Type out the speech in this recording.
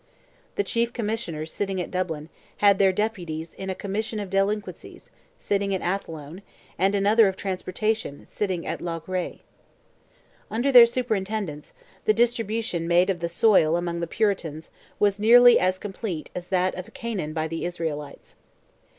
The chief commissioners, sitting at Dublin, had their deputies in a commission of delinquencies, sitting at Athlone, and another of transportation, sitting at Loughrea. Under their superintendence, the distribution made of the soil among the Puritans "was nearly as complete as that of Canaan by the Israelites."